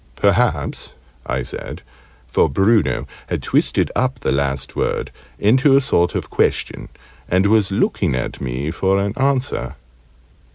"Perhaps," I said, for Bruno had twisted up the last word into a sort of question, and was looking at me for an answer.